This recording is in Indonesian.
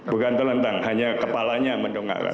bukan telentang hanya kepalanya mendongak ke atas